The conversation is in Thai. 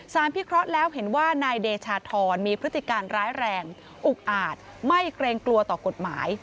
พิเคราะห์แล้วเห็นว่านายเดชาธรมีพฤติการร้ายแรงอุกอาจไม่เกรงกลัวต่อกฎหมาย